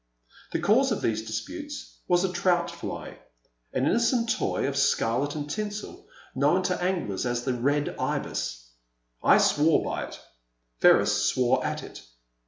The cause of these disputes was a trout fly, an innocent toy of scarlet and tinsel, known to anglers as the Red Ibis.*' I swore by it, Ferris swore at it.